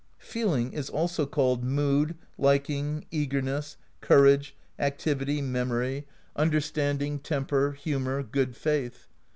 ] Feeling is also called mood, liking, eagerness, courage, activity, memory, under THE POESY OF SKALDS 239 standing, temper, humor, good faith.